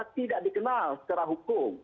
tidak dikenal secara hukum